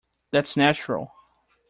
That's natural.